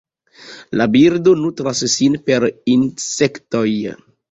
La birdo nutras sin per insektoj.